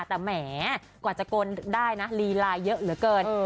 แต่แหมกว่าจะโกนได้นะลีลาเยอะเหลือเกิน